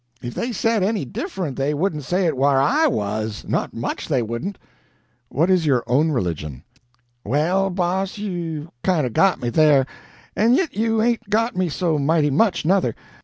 If they said any diffrunt they wouldn't say it whar I wuz not MUCH they wouldn't." "What is your own religion?" "Well, boss, you've kind o' got me, there and yit you hain't got me so mighty much, nuther.